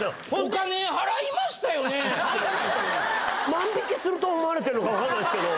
万引きすると思われてるのか分かんないっすけど。